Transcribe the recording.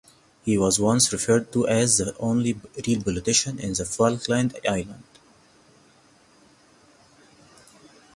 He was once referred to as the "only real politician in the Falkland Islands".